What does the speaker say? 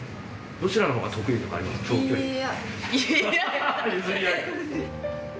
どちらのほうが得意とかありいいや。